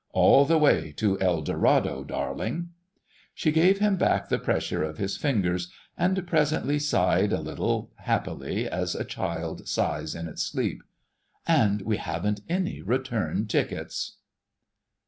"All the way to El Dorado, darling!" She gave him back the pressure of his fingers, and presently sighed a little, happily, as a child sighs in its sleep. "And we haven't any return tickets...."